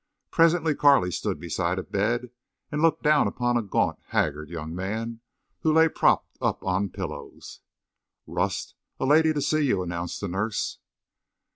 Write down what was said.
Presently Carley stood beside a bed and looked down upon a gaunt, haggard young man who lay propped up on pillows. "Rust—a lady to see you," announced the nurse.